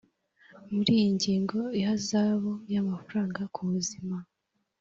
muri iyi ngingo ihazabu y amafaranga kubuzima